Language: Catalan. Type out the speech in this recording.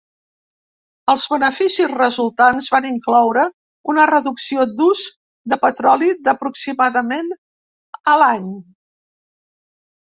Els beneficis resultants van incloure una reducció d'ús de petroli d'aproximadament a l'any.